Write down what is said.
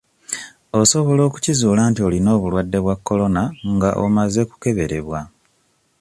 Osobala okukizuula nti olina obulwadde bwa kolona nga omaze kukeberebwa